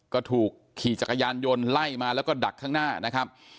ก็ถูกขี่จักรยานยนต์ไล่มาแล้วก็ดักข้างหน้านะครับ